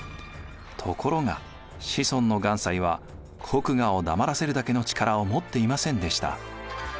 ところが子孫の願西は国衙を黙らせるだけの力を持っていませんでした。